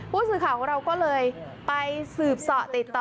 ผู้สื่อข่าวของเราก็เลยไปสืบเสาะติดต่อ